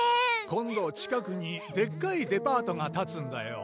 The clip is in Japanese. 今度近くにでっかいデパートがたつんだよ